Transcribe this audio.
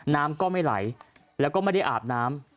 น้ำก็ไม่ไหลแล้วก็ไม่ได้อาบน้ำ